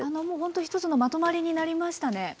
もうほんと一つのまとまりになりましたね。